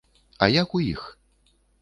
А як у іх?